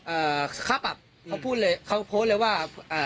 อ่าค่าปรับเขาพูดเลยเขาโพสต์เลยว่าอ่า